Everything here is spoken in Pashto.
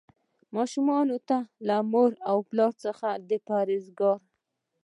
ماشومانو ته له مور او پلار څخه د پرهیزګارۍ.